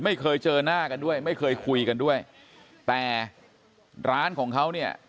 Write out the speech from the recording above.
ไม่เคยเจอหน้ากันด้วยไม่เคยคุยกันด้วยแต่ร้านของเขาเนี่ย